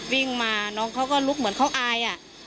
วิ่งมาน้องเขาก็ลุกเหมือนเขาอาย